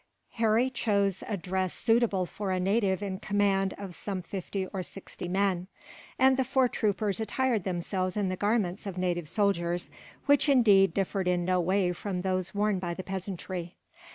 Harry chose a dress suitable for a native in command of some fifty or sixty men; and the four troopers attired themselves in the garments of native soldiers, which indeed differed in no way from those worn by the peasantry.